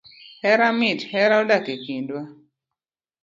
Hera mit, hera odak ekindwa